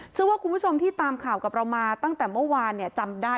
เชื่อว่าคุณผู้ชมที่ตามข่าวกับเรามาตั้งแต่เมื่อวานจำได้